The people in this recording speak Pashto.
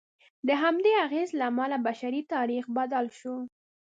د همدې اغېز له امله بشري تاریخ بدل شو.